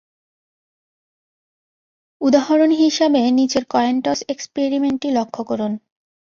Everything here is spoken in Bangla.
উদাহরন হিসাবে নিচের কয়েন টস এক্সপেরিমেন্টটি লক্ষ্য করুন।